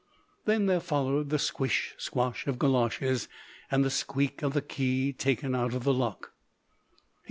Then there followed the squish squash of goloshes, and the squeak of the key taken out of the lock.